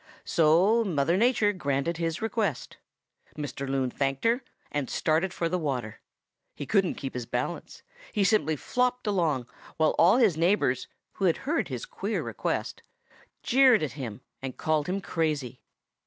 So Mother Nature granted his request. Mr. Loon thanked her and started for the water. He couldn't keep his balance. He simply flopped along, while all his neighbors, who had heard his queer request, jeered at him and called him crazy.